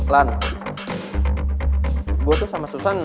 lan gue tuh sama susan